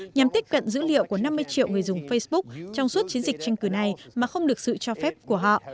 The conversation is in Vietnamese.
nhằm tiếp cận dữ liệu của năm mươi triệu người dùng facebook trong suốt chiến dịch tranh cử này mà không được sự cho phép của họ